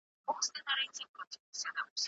ماشوم باید ښه تغذیه ترلاسه کړي.